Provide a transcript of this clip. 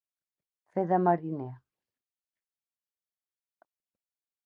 Fer de mariner.